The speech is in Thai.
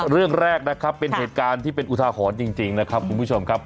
เรื่องแรกนะครับเป็นเหตุการณ์ที่เป็นอุทาหรณ์จริงนะครับคุณผู้ชมครับ